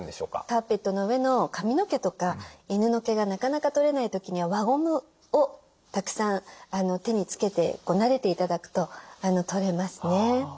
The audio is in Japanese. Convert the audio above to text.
カーペットの上の髪の毛とか犬の毛がなかなか取れない時には輪ゴムをたくさん手につけてなでて頂くと取れますね。